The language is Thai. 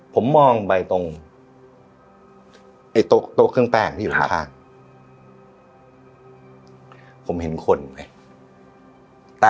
ผมมองไปตรงโต๊ะเครื่องแป้งที่อยู่ข้าง